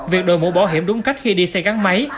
việc đổi mũ bảo hiểm đúng cách khi đi xe gắn máy